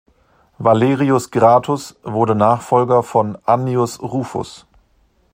Valerius Gratus wurde Nachfolger von Annius Rufus.